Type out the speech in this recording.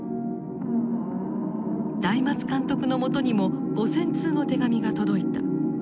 大松監督のもとにも５，０００通の手紙が届いた。